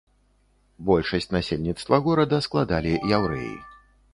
Большасць насельніцтва горада складалі яўрэі.